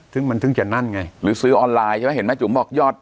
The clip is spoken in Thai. ซึ่งมันเพิ่งจะนั่นไงหรือซื้อออนไลน์ใช่ไหมเห็นไหมจุ๋มบอกยอด